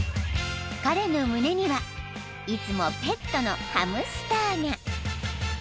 ［彼の胸にはいつもペットのハムスターが］